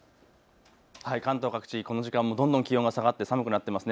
関東各地この時間もどんどん気温が下がって寒くなってますね。